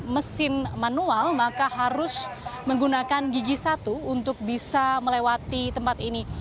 mesin manual maka harus menggunakan gigi satu untuk bisa melewati tempat ini